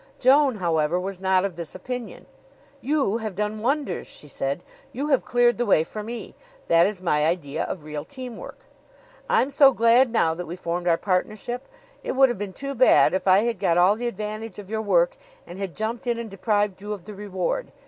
Joan, however, was not of this opinion. "You have done wonders," she said. "You have cleared the way for me. That is my idea of real teamwork. I'm so glad now that we formed our partnership. It would have been too bad if I had got all the advantage of your work and had jumped in and deprived you of the reward.